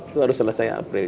itu harus selesai april